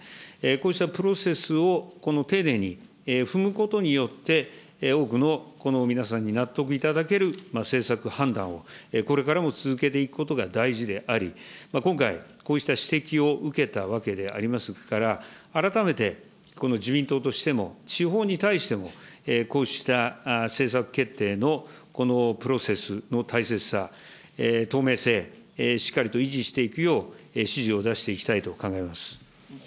こうしたプロセスをこの丁寧に踏むことによって、多くの皆さんに納得いただける政策判断をこれからも続けていくことが大事であり、今回、こうした指摘を受けたわけでありますから、改めて自民党としても、地方に対しても、こうした政策決定の、このプロセスの大切さ、透明性、しっかりと維持していくよう、指示を出していきたいと考えます。